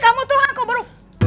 kamu tuh kok baru